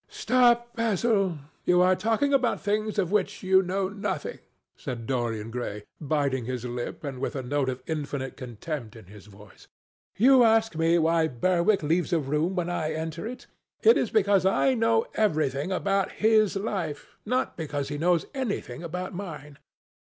"Stop, Basil. You are talking about things of which you know nothing," said Dorian Gray, biting his lip, and with a note of infinite contempt in his voice. "You ask me why Berwick leaves a room when I enter it. It is because I know everything about his life, not because he knows anything about mine.